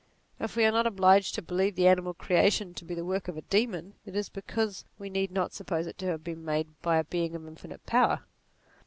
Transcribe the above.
If we are not obliged to believe the animal creation to be the work of a demon, it is because we need not sup pose it to have been made by a Being of infinite power.